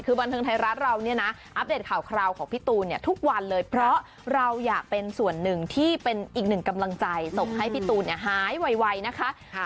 คือบันเทิงไทยรัฐเราเนี่ยนะอัปเดตข่าวคราวของพี่ตูนเนี่ยทุกวันเลยเพราะเราอยากเป็นส่วนหนึ่งที่เป็นอีกหนึ่งกำลังใจส่งให้พี่ตูนหายไวนะคะ